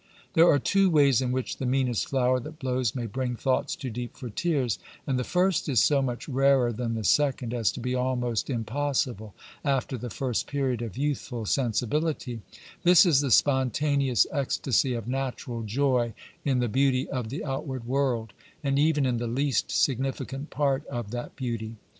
There are two ways in which the meanest flower that blows may bring thoughts too deep for tears, and the first is so much rarer than the second as to be almost im possible after the first period of youthful sensibility ; this is the spontaneous ecstasy of natural joy in the beauty of the outward world, and even in the least significant part of that beauty.